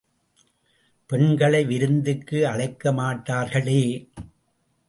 பெண்களை விருந்துக்கு அழைக்கமாட்டார்களே?